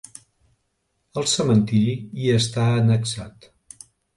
El cementiri hi està annexat.